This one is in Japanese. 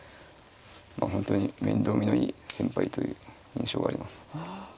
まあ本当に面倒見のいい先輩という印象があります。